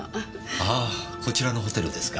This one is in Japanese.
あーこちらのホテルですか。